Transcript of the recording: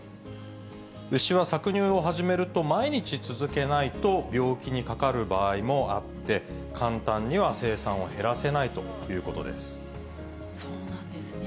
牛は搾乳を始めると、毎日続けないと病気にかかる場合もあって、簡単には生産を減らせそうなんですね。